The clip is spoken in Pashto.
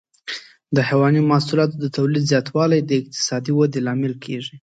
د حيواني محصولاتو د تولید زیاتوالی د اقتصادي ودې لامل کېږي.